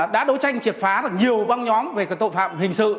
đã đấu tranh triệt phá nhiều băng nhóm về tội phạm hình sự